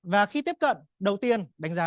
và khi tiếp cận đầu tiên đánh giá